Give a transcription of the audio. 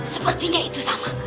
sepertinya itu sama